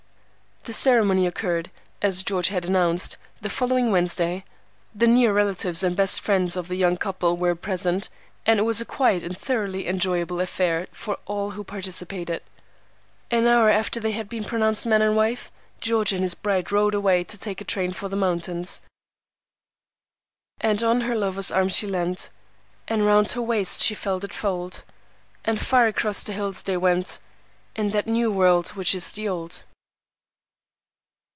The ceremony occurred, as George had announced, the following Wednesday. The near relatives and best friends of the young couple were present, and it was a quiet and thoroughly enjoyable affair for all who participated. An hour after they had been pronounced man and wife, George and his bride rode away to take the train for the mountains. "And on her lover's arm she leant, And round her waist she felt it fold, And far across the hills they went In that new world which is the old."